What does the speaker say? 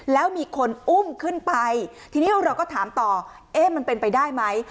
แล้วมีคนอุ้มขึ้นไปทีนี้เราก็ถามต่อเอ๊ะมันเป็นไปได้ไหม